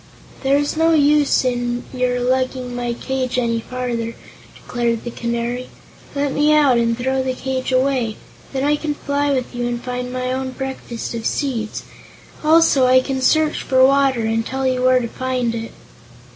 "There is no use in your lugging my cage any farther," declared the Canary. "Let me out, and throw the cage away. Then I can fly with you and find my own breakfast of seeds. Also I can search for water, and tell you where to find it."